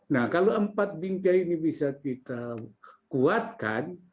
nah kalau empat bingkai ini bisa kita kuatkan